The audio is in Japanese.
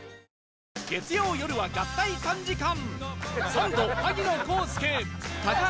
月曜よるは合体３時間